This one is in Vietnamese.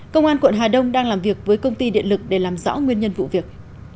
công an quận hà đông đang làm việc với công ty điện lực để làm rõ nguyên nhân vụ việc